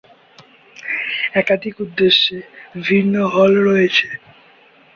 একাধিক উদ্দেশ্যে বিভিন্ন হল রয়েছে।